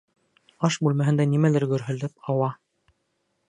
Аш бүлмәһендә нимәлер гөрһөлдәп ауа.